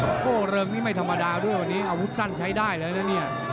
โอ้โหเริงนี่ไม่ธรรมดาด้วยวันนี้อาวุธสั้นใช้ได้เลยนะเนี่ย